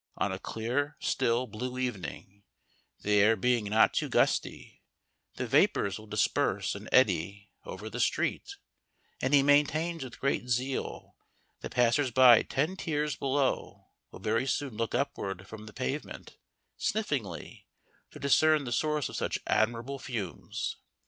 On a clear, still, blue evening, the air being not too gusty, the vapours will disperse and eddy over the street; and he maintains with great zeal that passersby ten tiers below will very soon look upward from the pavement, sniffingly, to discern the source of such admirable fumes.